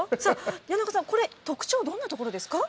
谷中さん、これ、特徴どんなところですか。